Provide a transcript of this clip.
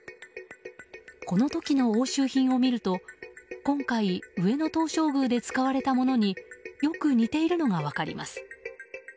この時の押収品を見ると今回、上野東照宮で使われたものによく似ているのが分かります。